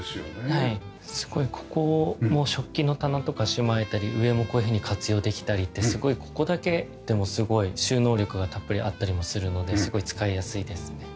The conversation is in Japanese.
すごいここも食器の棚とかしまえたり上もこういうふうに活用できたりってここだけでもすごい収納力がたっぷりあったりもするのですごい使いやすいですね。